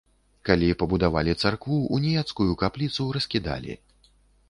Калі пабудавалі царкву, уніяцкую капліцу раскідалі.